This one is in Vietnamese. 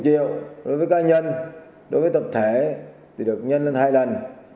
và từ hai mươi bốn mươi triệu đối với cá nhân đối với tập thể thì được nhân lên hai lần